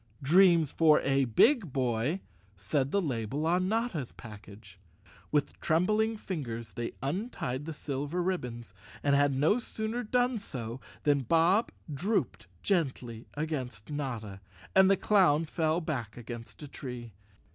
"Dreams for a big boy," said the label on Notta's package. With trembling fingers they untied the silver rib¬ bons, and had no sooner done so than Bob drooped gently against Notta, and the clown fell back against a tree.